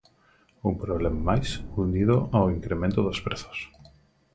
Un problema máis, unido ao incremento dos prezos.